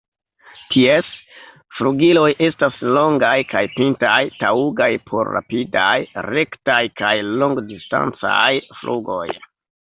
Ties flugiloj estas longaj kaj pintaj, taŭgaj por rapidaj, rektaj kaj longdistancaj flugoj.